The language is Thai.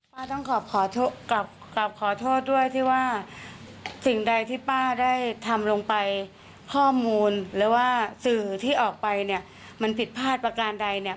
ต้องกลับขอโทษกลับขอโทษด้วยที่ว่าสิ่งใดที่ป้าได้ทำลงไปข้อมูลหรือว่าสื่อที่ออกไปเนี่ยมันผิดพลาดประการใดเนี่ย